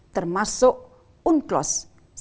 termasuk unclos seribu sembilan ratus delapan puluh dua